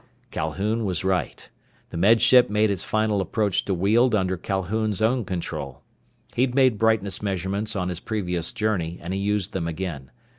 Calhoun was right. The Med Ship made its final approach to Weald under Calhoun's own control. He'd made brightness measurements on his previous journey and he used them again.